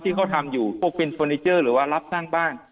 ที่เขาทำอยู่พวกเป็นเฟอร์นิเจอร์หรือว่ารับสร้างบ้าน